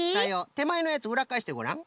てまえのやつうらっかえしてごらん。